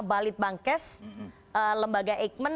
balit bankes lembaga eijkman